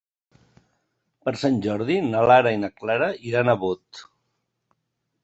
Per Sant Jordi na Lara i na Clara iran a Bot.